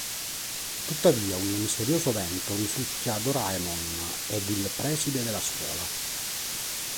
Tuttavia, un misterioso vento risucchia Doraemon ed il preside della scuola.